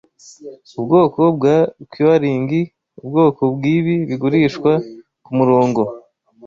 Ubwoko bwa curing ubwoko bwibi bigurishwa kumurongo